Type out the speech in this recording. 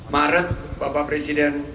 maret bapak presiden